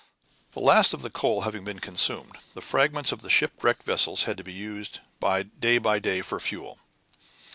The last of the coal having been consumed, the fragments of the shipwrecked vessels had to be used day by day for fuel.